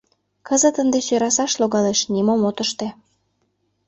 — Кызыт ынде сӧрасаш логалеш, нимом от ыште.